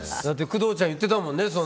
工藤ちゃん言ってたもんね。